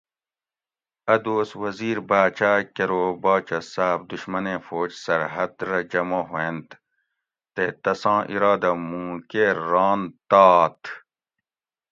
اۤ دوس وزیر باۤچاۤ کرو باچہ صاۤب دُشمنیں فوج سرحد رہ جمع ہوینت تے تساں اِرادہ مُوں کیر ران تاتھ